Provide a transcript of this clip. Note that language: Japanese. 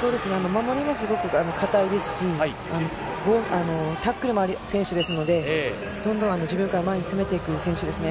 守りが堅いですし、タックルもある選手ですので、どんどん自分から前に詰めていく選手です。